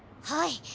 はい！